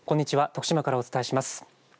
徳島からお伝えします。